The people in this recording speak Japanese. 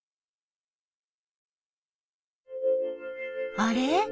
あれ？